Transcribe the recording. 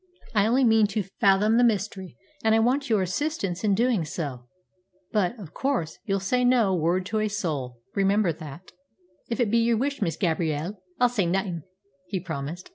I only mean to fathom the mystery, and I want your assistance in doing so. But, of course, you'll say no word to a soul. Remember that." "If it be yer wush, Miss Gabrielle, I'll say naething," he promised.